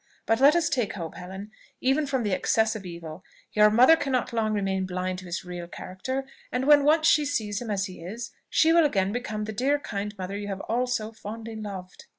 But let us take hope, Helen, even from the excess of the evil. Your mother cannot long remain blind to his real character; and, when once she sees him as he is, she will again become the dear kind mother you have all so fondly loved."